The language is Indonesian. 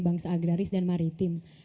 bangsa agraris dan maritim